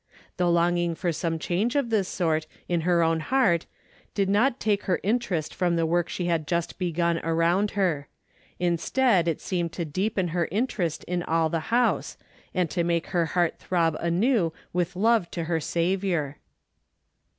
The longing for some change of this sort in her own heart did not take her interest from the work she had just begun around her. Instead it seemed to deepen her interest in all in the house, and to make her heart throb anew with love to her Saviour.